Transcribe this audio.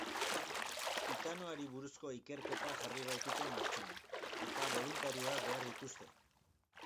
Hitanoari buruzko ikerketa jarri baitute martxan, eta boluntarioak behar dituzte.